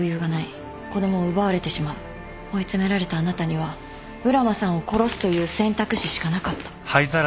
追い詰められたあなたには浦真さんを殺すという選択肢しかなかった。